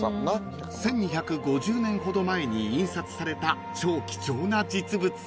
［１，２５０年ほど前に印刷された超貴重な実物］